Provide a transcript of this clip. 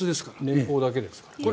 年俸だけですからね。